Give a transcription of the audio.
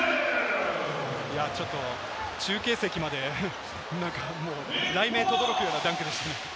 ちょっと中継席まで雷鳴轟くようなダンクでしたね。